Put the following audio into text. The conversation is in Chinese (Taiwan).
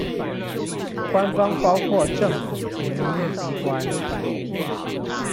官方包括政府及民意機關